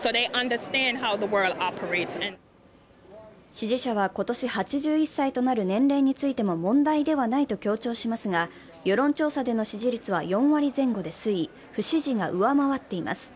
支持者は今年８１歳となる年齢についても問題ではないと強調しますが世論調査での支持率は４割前後で推移、不支持が上回っています。